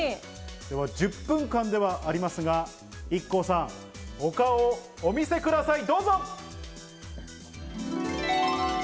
１０分間ではありますが、ＩＫＫＯさん、お顔をお見せください、どうぞ！